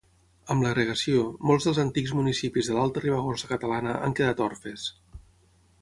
Amb l'agregació, molts dels antics municipis de l'Alta Ribagorça catalana han quedat orfes.